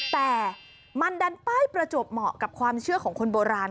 แต่มันดันป้ายประจวบเหมาะกับความเชื่อของคนโบราณ